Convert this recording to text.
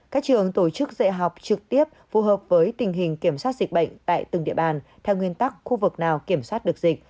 các trường tổ chức dạy học trực tiếp phù hợp với tình hình kiểm soát dịch bệnh tại từng địa bàn theo nguyên tắc khu vực nào kiểm soát được dịch